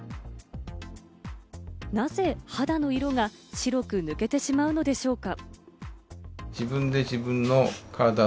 なぜ肌の色が白く抜けてしまうのでしょうか？